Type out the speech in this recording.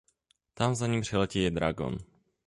Tam za ní přiletí i Dragon.